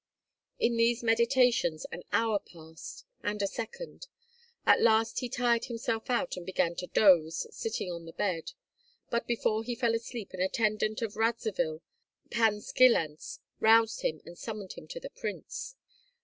In these meditations an hour passed, and a second. At last he tired himself out and began to doze, sitting on the bed; but before he fell asleep an attendant of Radzivill, Pan Skillandz, roused him and summoned him to the prince.